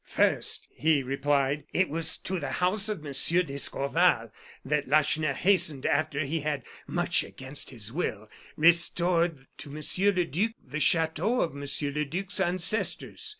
"First," he replied, "it was to the house of Monsieur d'Escorval that Lacheneur hastened after he had, much against his will, restored to Monsieur le Duc the chateau of Monsieur le Duc's ancestors.